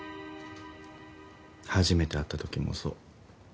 初めて会ったときもそう。